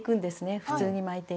普通に巻いていくと。